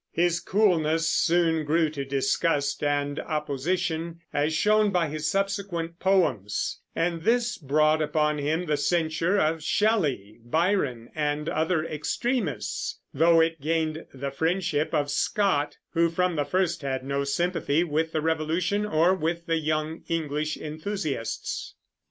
His coolness soon grew to disgust and opposition, as shown by his subsequent poems; and this brought upon him the censure of Shelley, Byron, and other extremists, though it gained the friendship of Scott, who from the first had no sympathy with the Revolution or with the young English enthusiasts.